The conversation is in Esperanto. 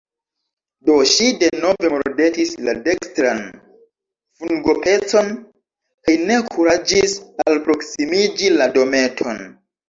Do ŝi denove mordetis la dekstran fungopecon, kaj ne kuraĝis alproksimiĝi la dometon.